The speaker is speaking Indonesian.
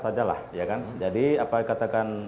sajalah jadi apa yang katakan